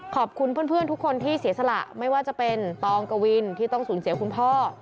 ขอบคุณเพื่อนทุกคนที่เสียสละไม่ว่าจะเป็นตองกวินที่ต้องสูญเสียคุณพ่อ